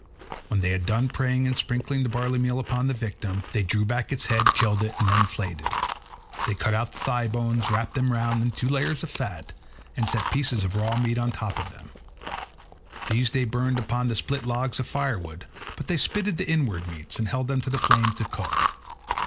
When they had done praying and sprinkling the barley meal upon the victim, they drew back its head, killed it, and then flayed it. They cut out the thigh bones, wrapped them round in two layers of fat, and set pieces of raw meat on the top of them. These they burned upon the split logs of firewood, but they spitted the inward meats, and held them in the flames to cook.